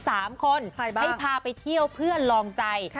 ใครบ้างใครบ้างที่พาไปเที่ยวเพื่อนรองใจ